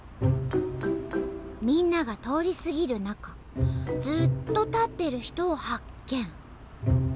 みんなが通り過ぎる中ずっと立ってる人を発見。